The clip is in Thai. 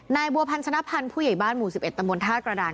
นายบัวพันธ์สนับพันธ์ผู้ใหญ่บ้านหมู่๑๑ตมธาตุกระดาน